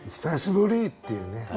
「久しぶり！」っていうね。